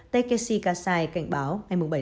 tkc kassai cảnh báo